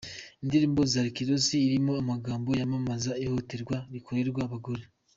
indirimbo ya Rick Ross irimo amagambo yamamaza ihohoterwa rikorerwa abagore.